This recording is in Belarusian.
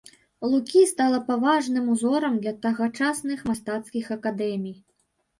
Лукі стала паважаным узорам для тагачасных мастацкіх акадэмій.